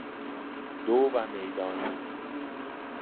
دو و میدانی